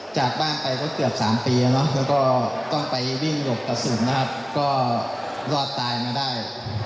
จากบ้านไปก็เกือบ๓ปีแล้วก็ต้องไปวิ่งหลบกระสุนนะครับก็รอดตายมาได้